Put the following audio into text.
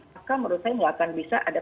maka menurut saya nggak akan bisa ada